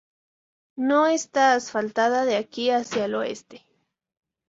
No está asfaltada de aquí hacia el oeste.